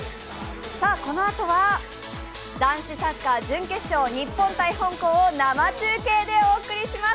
このあとは、男子サッカー準決勝日本×香港を生中継でお送りします。